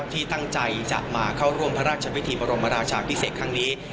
ที่ตั้งใจจะมาเข้าร่วมพระราชพิธีบรมราชาพิเศษครั้งนี้